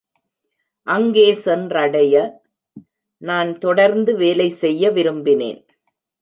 அங்கே சென்றடைய, நான் தொடர்ந்து வேலை செய்ய விரும்பினேன்.